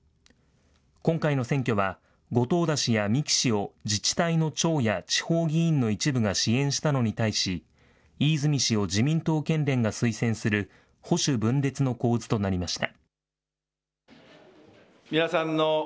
今回の選挙は、後藤田氏や三木氏を自治体の長や地方議員の一部が支援したのに対し、飯泉氏を自民党県連が推薦する保守分裂の構図となりました。